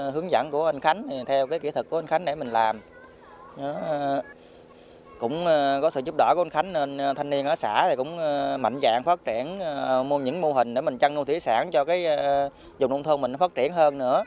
hướng dẫn của anh khánh theo kỹ thuật của anh khánh